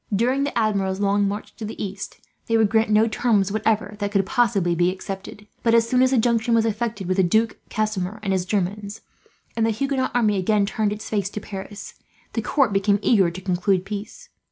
During the Admiral's long march to the east, they would grant no terms whatever that could possibly be accepted; but as soon as the junction was effected with Duke Casimir and his Germans, and the Huguenot army again turned its face to Paris, the court became eager to conclude peace.